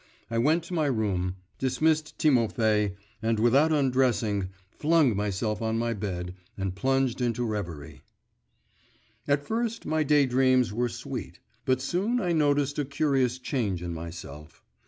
I went to my room, dismissed Timofay, and without undressing, flung myself on my bed and plunged into reverie. At first my day dreams were sweet, but soon I noticed a curious change in myself.